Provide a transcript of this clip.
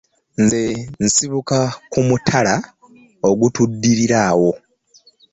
Nze nsibuka ku mutala ogutuddirira awo.